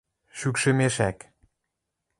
Шӱкшӹ мешӓк!